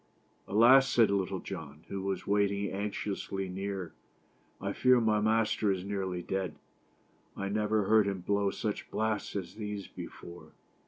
" Alas!" said Little John, who was waiting anxiously near, " I fear my master is nearly dead. I never heard him blow such blasts as those before."